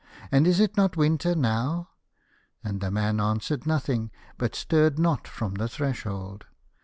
" And is it not winter now ?" And the man answered nothing, but stirred not from the threshold.